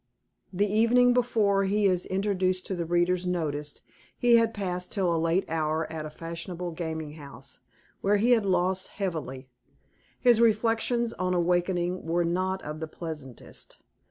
The evening before he is introduced to the reader's notice he had, passed till a late hour at a fashionable gambling house, where he had lost heavily. His reflections, on awakening, were not of the pleasantest.